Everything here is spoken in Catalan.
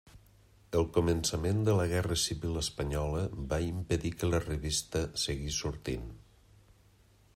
El començament de la guerra civil espanyola va impedir que la revista seguís sortint.